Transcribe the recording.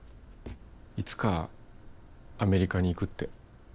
いつかアメリカに行くって。